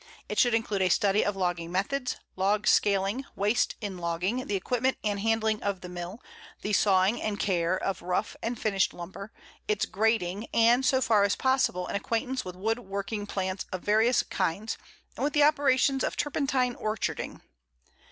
It should include a study of logging methods, log scaling, waste in logging, the equipment and handling of the mill, the sawing and care of rough and finished lumber, its grading, and so far as possible an acquaintance with wood working plants of various kinds, and with the operations of turpentine orcharding.